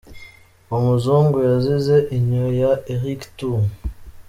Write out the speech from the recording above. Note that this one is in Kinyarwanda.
uwo muzungu yazize innyo ya eric too.